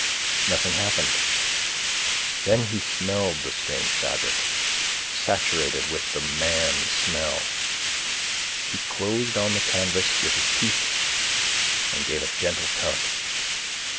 Nothing happened. Then he smelled the strange fabric, saturated with the man smell. He closed on the canvas with his teeth and gave a gentle tug.